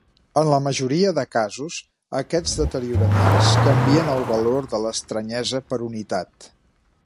En la majoria dels casos aquests deterioraments canvien el valor de l'estranyesa per unitat.